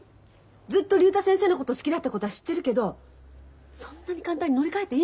ずっと竜太先生のこと好きだったことは知ってるけどそんなに簡単に乗り換えていいの？